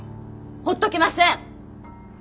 ほっとけません！